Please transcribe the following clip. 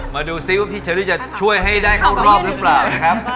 มาดูซิว่าพี่เชอรี่จะช่วยให้ได้เข้ารอบหรือเปล่านะครับ